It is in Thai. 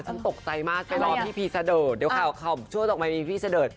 ฉันตกใจมากไปรอพี่พี่สะเดิดเดี๋ยวข่าวเข้าชั่วตกไม่มีพี่พี่สะเดิด